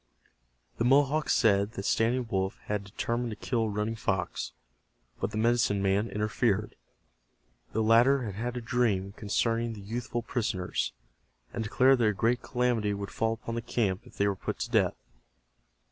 The Mohawk said that Standing Wolf had determined to kill Running Fox, but the medicine man interfered. The latter had had a dream concerning the youthful prisoners, and declared that a great calamity would fall upon the camp if they were put to death.